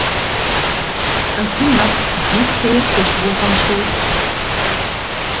—Ысынлап, бик сәйер төш булған шул!